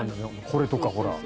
これとか、ほら。